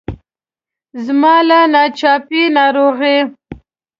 زما له ناڅاپي ناروغۍ.